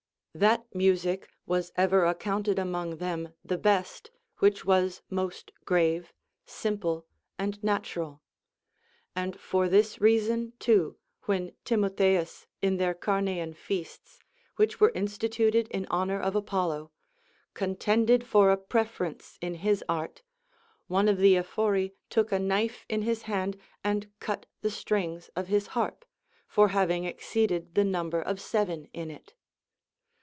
That music Avas ever accounted among them the best, which Avas most grave, simple, and natural. And for this reason too, when Timotheus in their Carnean feasts, Avhich Avere instituted in honor of Apollo, contended for a preference in his art, one of the Ephori took a knife in his hand, and cut the strings of his harp, for having ex ceeded the number of seven in it.